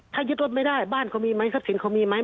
ถ้ายึดรถไม่ได้บ้านเขามีไหมทรัพย์สินเขามีไหม